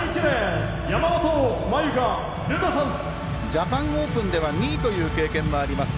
ジャパンオープンでは２位という経験もあります